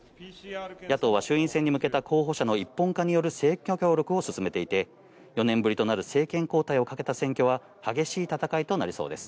野党は衆院選に向けた候補者の一本化による選挙協力を進めていて、４年ぶりとなる政権交代をかけた選挙は激しい戦いとなりそうです。